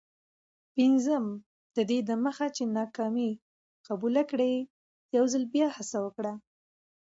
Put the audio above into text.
پنځم: ددې دمخه چي ناکامي قبوله کړې، یوځل بیا هڅه وکړه.